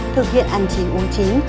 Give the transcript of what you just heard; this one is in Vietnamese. thực hiện ăn chín uống chín